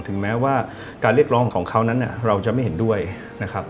ถึงแม้ว่าการเรียกร้องของเขานั้นเราจะไม่เห็นด้วยนะครับ